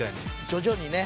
徐々にね。